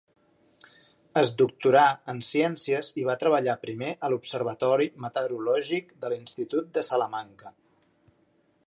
Es doctorà en Ciències i va treballar primer a l'Observatori Meteorològic de l'Institut de Salamanca.